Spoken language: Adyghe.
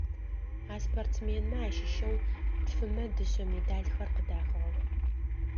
А спортсменмэ ащыщэу тфымэ дышъэ медалхэр къыдахыгъэх.